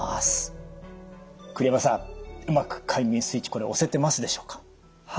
栗山さんうまく快眠スイッチこれ押せてますでしょうか？